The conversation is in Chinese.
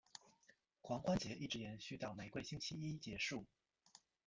狂欢节一直延续到玫瑰星期一结束。